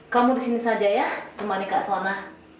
kamu disini saja ya temani kak sona